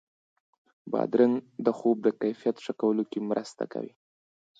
بادرنګ د خوب د کیفیت ښه کولو کې مرسته کوي.